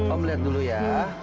om lihat dulu ya